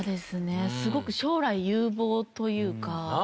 すごく将来有望というか。